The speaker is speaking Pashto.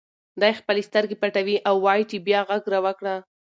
دی خپلې سترګې پټوي او وایي چې بیا غږ راوکړه.